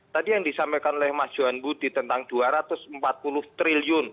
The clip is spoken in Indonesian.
tadi yang disampaikan oleh mas johan budi tentang dua ratus empat puluh triliun